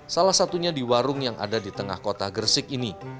salah satunya di warung yang ada di tengah kota gersik ini